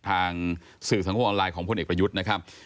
สื่อสังคมออนไลน์ของพลเอกประยุทธ์นะครับ